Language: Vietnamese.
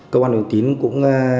công an ủy tín cũng